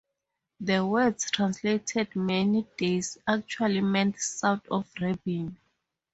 The words translated 'many days' actually meant 'south of Rabin'.